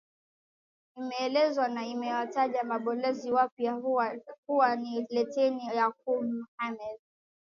Imeeleza na imewataja mabalozi hao wapya kuwa ni Luteni Jenerali Yakub Mohamed